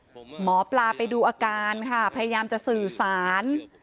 หมอปลาไปดูอาการค่ะพยายามจะสื่อสาร